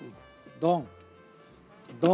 どん！